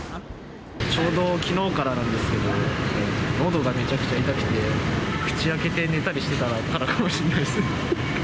ちょうどきのうからなんですけど、のどがめちゃくちゃ痛くて、口開けて寝たりしてたからかもしれない。